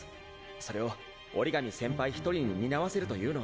それを折紙先輩１人に担わせるというのは。